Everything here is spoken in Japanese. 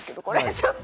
ちょっと！